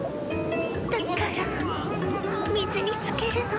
だから水につけるの。